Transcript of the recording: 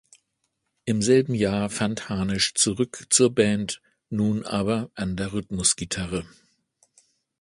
Im selben Jahr fand Hanisch zurück zur Band, nun aber an der Rhythmus-Gitarre.